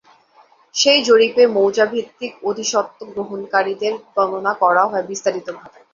সেই জরিপে মৌজাভিত্তিক অধিসত্ত্ব গ্রহণকারীদের গণনা করা হয় বিস্তারিতভাবে।